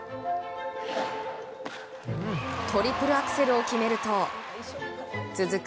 トリプルアクセルを決めると続く